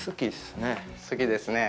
好きですね。